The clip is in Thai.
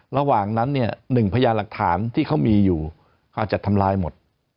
ระหว่างนั้นเนี่ยหนึ่งพยานหลักฐานที่เขามีอยู่เขาอาจจะทำลายหมด